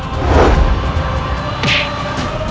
aku akan menang